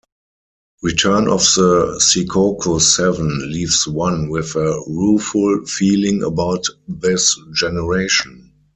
"Return of the Secaucus Seven" leaves one with a rueful feeling about this generation.